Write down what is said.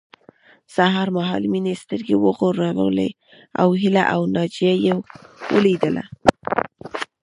سهار مهال مينې سترګې وغړولې او هيله او ناجيه يې وليدلې